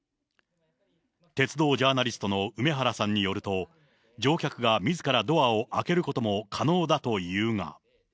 鉄道ジャーナリストの梅原さんによると、乗客がみずからドアを開けることも可能だというが。